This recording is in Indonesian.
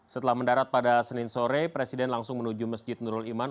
setelah mendarat pada senin sore presiden langsung menuju masjid nurul iman